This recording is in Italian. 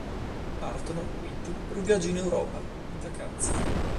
Partono, quindi, per un viaggio in Europa, in vacanza.